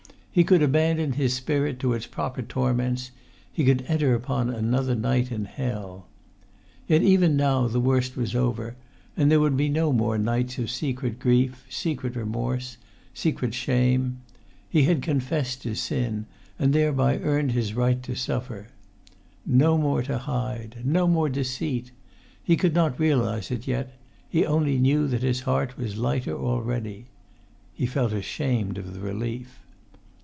He could abandon his spirit to its proper torments; he could enter upon another night in hell. Yet, even now, the worst was over, and there would be no more nights of secret grief, secret remorse, secret shame. He had confessed his sin, and thereby earned his right to suffer. No more to hide! No more deceit! He could not realize it yet; he only knew that his heart was lighter already. He felt ashamed of the relief.